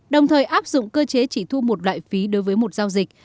đồng thời áp dụng cơ chế chỉ thu một loại phí đối với một giao dịch